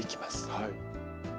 はい。